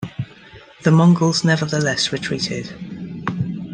The Mongols nevertheless retreated.